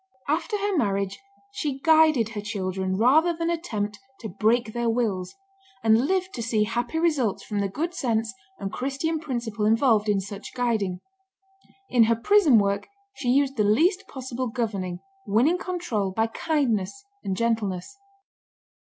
After her marriage she guided her children rather than attempt "to break their wills," and lived to see happy results from the good sense and Christian principle involved in such guiding. In her prison work she used the least possible governing, winning control by kindness and gentleness.